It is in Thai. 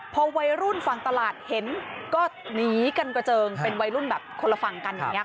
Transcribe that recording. พอวัยรุ่นฝั่งตลาดเห็นก็หนีกันกระเจิงเป็นวัยรุ่นแบบคนละฝั่งกันอย่างนี้ค่ะ